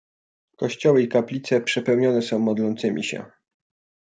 "Kościoły i kaplice przepełnione są modlącymi się."